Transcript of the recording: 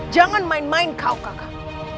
jangan main main kauk kakak